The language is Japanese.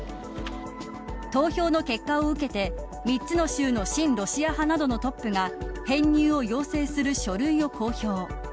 投票の結果を受けて３つの州の親ロシアなどのトップが編入を要請する書類を公表。